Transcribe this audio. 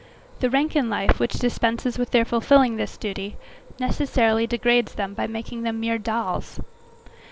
The rank in life which dispenses with their fulfilling this duty, necessarily degrades them by making them mere dolls.